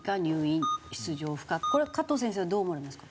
これは加藤先生はどう思われますか？